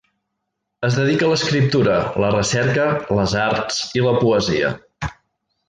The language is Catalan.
Es dedica a l'escriptura, la recerca, les arts i la poesia.